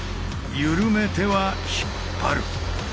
緩めては引っ張る。